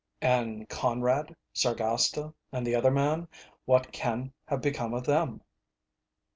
"And Conrad, Sargasta, and the other man, what can have become of them?"